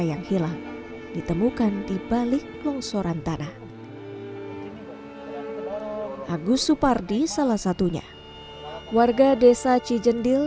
yang hilang ditemukan di balik longsoran tanah agus supardi salah satunya warga desa cijendil